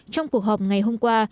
trong cuộc họp ngày hôm qua